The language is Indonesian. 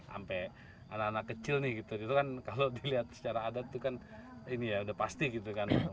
sampai anak anak kecil nih gitu itu kan kalau dilihat secara adat itu kan ini ya udah pasti gitu kan